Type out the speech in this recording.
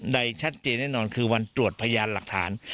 ใดชัดเจนแน่นอนคือวันตรวจพยานหลักฐาน